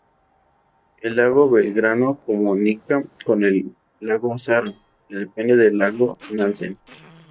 El Lago Belgrano comunica con el lago Azara, que depende del lago Nansen.